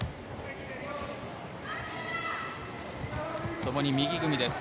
ともに右組みです。